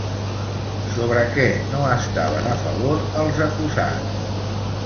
Sobre què no estaven a favor els acusats?